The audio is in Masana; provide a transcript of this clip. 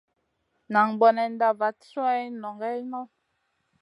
Nan bonenda vat sui nʼongue Noy.